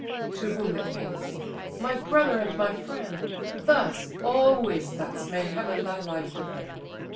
To whom the king: "My brother and my friend, Thus, always thus, may Heaven thy life defend!